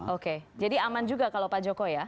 oke jadi aman juga kalau pak joko ya